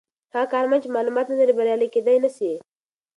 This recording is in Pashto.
هغه کارمند چې معلومات نلري بریالی کیدای نسي.